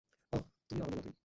অহ, তুমিও আমাদের মতোই।